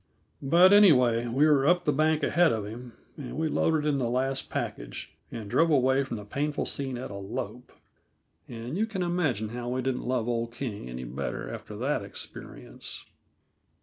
But, anyway, we were up the bank ahead of him, and we loaded in the last package and drove away from the painful scene at a lope. And you can imagine how we didn't love old King any better, after that experience.